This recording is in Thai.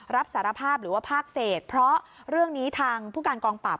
รับสารภาพหรือว่าภาคเศษเพราะเรื่องนี้ทางผู้การกองปราบ